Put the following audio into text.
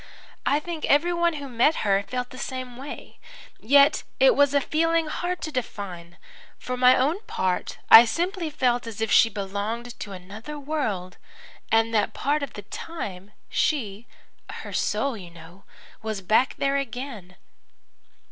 I think everyone who met her felt the same way. Yet it was a feeling hard to define. For my own part I simply felt as if she belonged to another world, and that part of the time she her soul, you know was back there again.